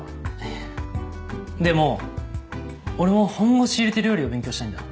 えっでも俺も本腰入れて料理を勉強したいんだ。